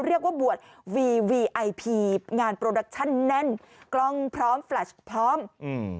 เรียกว่าบวชวีวีไอพีงานโปรดักชั่นแน่นกล้องพร้อมแฟลชพร้อมอืม